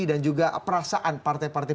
dan juga perasaan partai partai